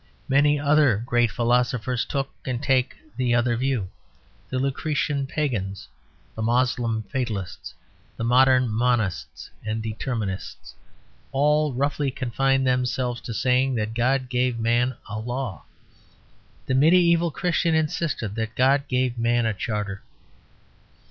Many other great philosophers took and take the other view: the Lucretian pagans, the Moslem fatalists, the modern monists and determinists, all roughly confine themselves to saying that God gave man a law. The mediæval Christian insisted that God gave man a charter.